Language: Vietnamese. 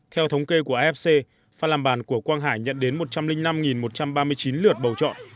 theo thống kê của afc làm bàn của quang hải nhận đến một trăm linh năm một trăm ba mươi chín lượt bầu chọn